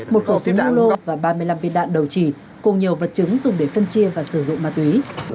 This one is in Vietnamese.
một cổ tính ngu lô và ba mươi năm viên đạn đầu trì cùng nhiều vật chứng dùng để phân chia và sử dụng ma túy